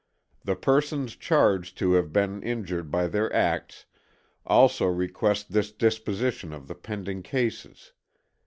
The persons charged to have been injured by their acts also request this disposition of the pending cases.